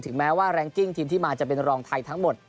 แม้ว่าแรงกิ้งทีมที่มาจะเป็นรองไทยทั้งหมด